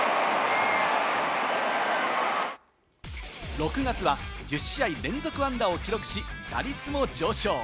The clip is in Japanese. ６月は１０試合連続安打を記録し、打率も上昇。